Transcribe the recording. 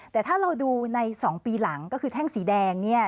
แต่ถ้าเราดูใน๒ปีหลังก็คือแท่งสีแดงเนี่ย